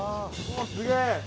すげえ！